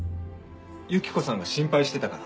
ユキコさんが心配してたから。